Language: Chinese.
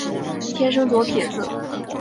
天生左撇子。